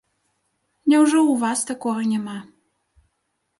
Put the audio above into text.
Няўжо ў вас такога няма?